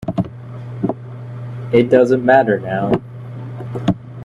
It doesn't matter now.